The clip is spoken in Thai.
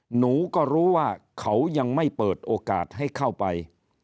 หนูก็รู้ว่าเขายังไม่เปิดโอกาสให้เข้าไป